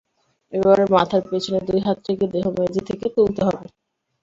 এবার মাথার পেছনে দুই হাত রেখে দেহ মেঝে থেকে তুলতে হবে।